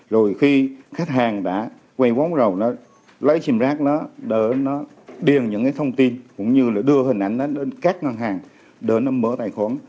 rồi khi khách hàng đã quay bóng rồi nó lấy sim rác đó để nó điền những cái thông tin cũng như là đưa hình ảnh đó đến các ngân hàng để nó mở tài khoản